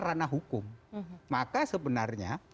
ranah hukum maka sebenarnya